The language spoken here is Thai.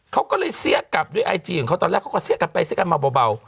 เขาก็เลยเสี้ยกลับด้วยไอจีของเขาตอนแรกเขาก็เสี้ยกลับไปเสี้ยกันมาเบา